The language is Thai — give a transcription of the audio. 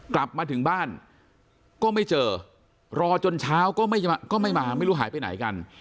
กลับมาถึงบ้านก็ไม่เจอรอจนเช้าก็ไม่มาไม่รู้หายไปไหนกัน